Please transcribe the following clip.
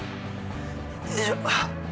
よいしょ。